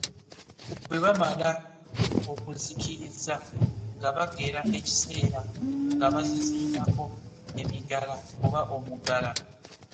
Bwe bamala okuzikiriza nga bagera ekiseera nga bazizimbako emigala oba omugala.